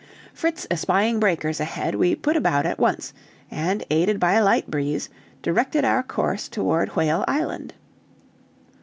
Fritz espying breakers ahead, we put about at once, and aided by a light breeze, directed our course toward Whale Island.